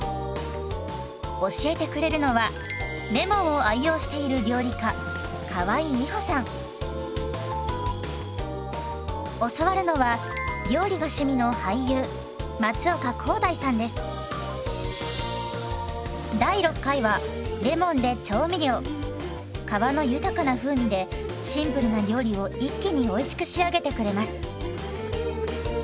教えてくれるのはレモンを愛用している教わるのは皮の豊かな風味でシンプルな料理を一気においしく仕上げてくれます。